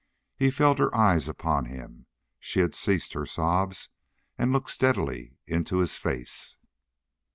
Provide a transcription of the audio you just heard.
He felt her eyes upon him; she had ceased her sobs, and looked steadily into his face.